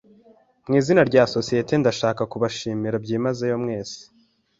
Mw'izina rya sosiyete, ndashaka kubashimira byimazeyo mwese.